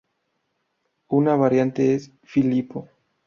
Una variante es Filipo.